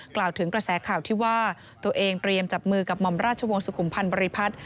กล่าวถึงกว่าแสข่าวน์ที่ว่าตัวเองเตรียมจับมือกับมอมราชวงศ์สุคุมภรรยาภาท